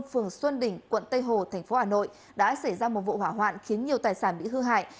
phường xuân đỉnh quận tây hồ thành phố hà nội đã xảy ra một vụ hỏa hoạn khiến nhiều tài sản bị hư hại